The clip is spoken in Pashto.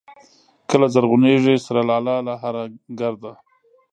کله زرغونېږي سره لاله له هره ګرده